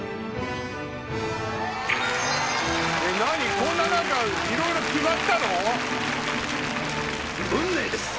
こんないろいろ決まったの？